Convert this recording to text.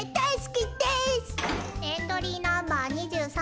エントリーナンバー２３